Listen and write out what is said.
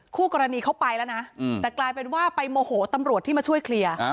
คู่กรณีเขาไปแล้วนะแต่กลายเป็นว่าไปโมโหตำรวจที่มาช่วยเคลียร์